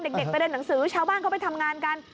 เด็กไปเรียนหนังสือชาวบ้านเขาไปทำงานกัน